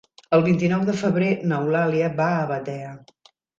El vint-i-nou de febrer n'Eulàlia va a Batea.